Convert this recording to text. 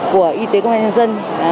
của y tế công an nhân dân